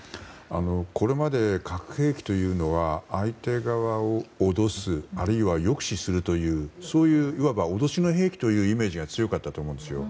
これまで核兵器というのは相手側を脅すあるいは抑止するといういわば脅しの兵器というイメージが強かったと思うんですよ。